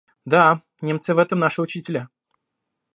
Да, немцы в этом наши учители.